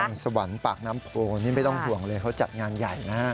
สวรรค์ปากน้ำโพนี่ไม่ต้องห่วงเลยเขาจัดงานใหญ่นะ